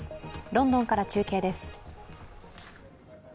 ロンドンから中継です。